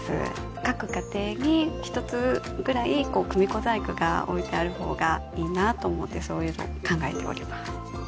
各家庭にひとつぐらい組子細工が置いてあるほうがいいなと思ってそういうのを考えております